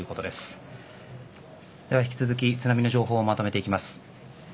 では引き続き津波の情報をまとめていきます。